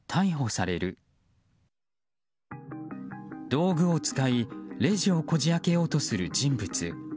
道具を使いレジをこじ開けようとする人物。